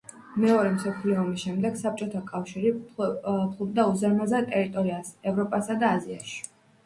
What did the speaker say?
მეორე მსოფლიო ომის შემდეგ საბჭოთა კავშირი ფლობდა უზარმაზარ ტერიტორიას ევროპასა და აზიაში.